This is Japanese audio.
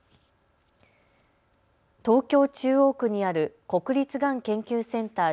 東京中央区にある国立がん研究センター